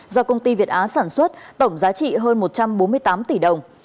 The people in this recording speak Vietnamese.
do công ty việt á sản xuất tổng giá trị hơn một trăm bốn mươi tám tỷ đồng